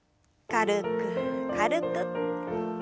軽く軽く。